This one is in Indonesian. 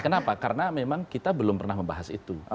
kenapa karena memang kita belum pernah membahas itu